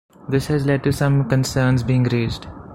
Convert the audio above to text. This has led to some concerns being raised.